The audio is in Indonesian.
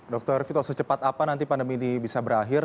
dr vito secepat apa nanti pandemi ini bisa berakhir